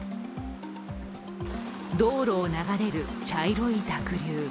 道路を流れる茶色の濁流。